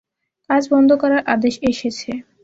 কাজ বন্ধ করার আদেশ এসেছে।